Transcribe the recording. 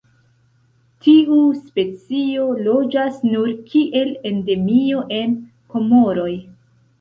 Tiu specio loĝas nur kiel endemio en Komoroj.